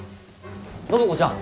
暢子ちゃん